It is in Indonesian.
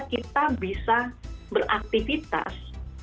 kita bisa beraktifitas